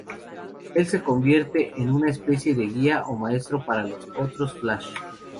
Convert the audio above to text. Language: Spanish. Él se convierte en una especie de guía o maestro para los otros Flash.